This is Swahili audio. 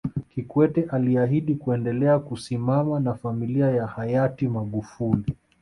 Kikwete aliahidi kuendelea kusimama na familia ya Hayati Magufuli